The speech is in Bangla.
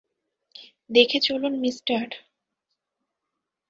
দেখে চলুন, মিস্টার!